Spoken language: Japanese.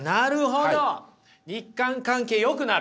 日韓関係よくなる。